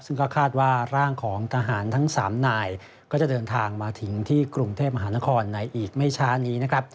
ซึ่งก็คาดว่าร่างของทหารทั้ง๓นายก็จะเดินทางมาถึงที่กรุงเทพมหานครในอีกไม่ช้านี้นะครับ